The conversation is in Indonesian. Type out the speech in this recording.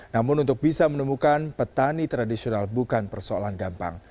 namun untuk bisa menemukan petani tradisional bukan persoalan gampang